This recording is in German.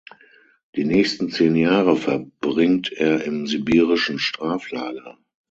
Die nächsten zehn Jahre verbringt er im sibirischen Straflager.